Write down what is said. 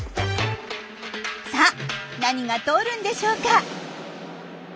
さあ何が通るんでしょうか。